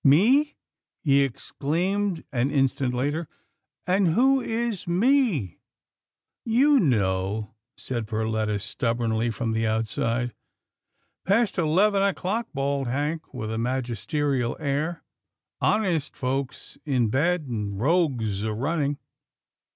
"* Me '?" he exclaimed an instant later, " and who is * me '?"" You know," said Perletta stubbornly from the outside. " Past eleven o'clock," bawled Hank with a magisterial air, " honest folks in bed, and rogues a running.